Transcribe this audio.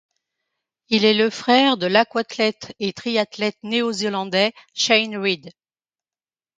Il est le frère de l'aquathlète et triathlète néo-zélandais Shane Reed.